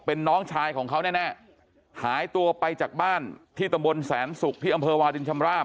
เป็นน้องชายของเขาแน่หายตัวไปจากบ้านที่ตำบลแสนศุกร์ที่อำเภอวาดินชำราบ